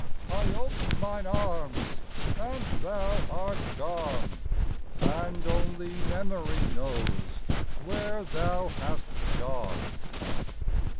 I ope mine arms, and thou art gone, And only Memory knows where thou hast shone.